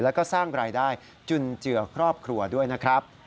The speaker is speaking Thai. แล้วก็สร้างรายได้จุนเจือครอบครัวด้วยนะครับ